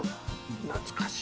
懐かしい。